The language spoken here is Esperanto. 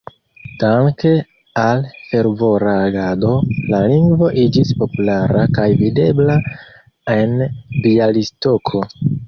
Danke al fervora agado la lingvo iĝis populara kaj videbla en Bjalistoko.